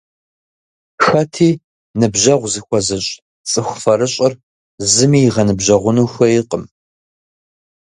Хэти «ныбжьэгъу» зыхуэзыщӀ цӀыху фэрыщӀыр зыми игъэныбжьэгъуну хуейкъым.